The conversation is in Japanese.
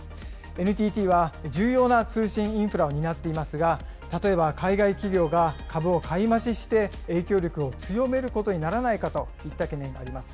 ＮＴＴは重要な通信インフラを担っていますが、例えば海外企業が株を買い増しして、影響力を強めることにならないかといった懸念があります。